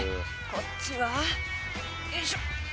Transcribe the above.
こっちは？よいしょ。